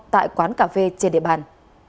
tại quán cà phê trên địa bàn